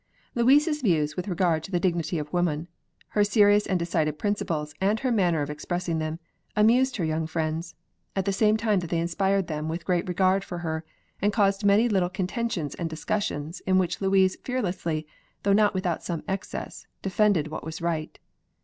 Louise's views with regard to the dignity of woman, her serious and decided principles, and her manner of expressing them, amused her young friends, at the same time that they inspired them with great regard for her, and caused many little contentions and discussions in which Louise fearlessly, though not without some excess, defended what was right.